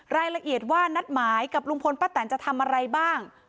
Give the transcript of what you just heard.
รายละเอียดว่านัดหมายกับลุงพลป้าแตนจะทำอะไรบ้าง